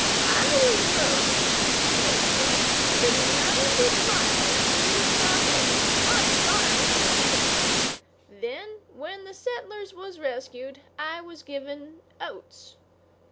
"I was rode," says Bill, "the ninety miles to the stockade, not barring an inch. Then, when the settlers was rescued, I was given oats.